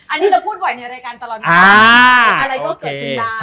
อันนี้เราพูดไหวในรายการตลอดนี้